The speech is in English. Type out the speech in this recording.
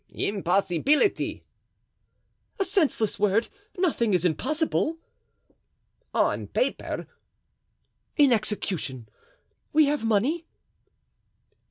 "Impossibility." "A senseless word. Nothing is impossible." "On paper." "In execution. We have money?"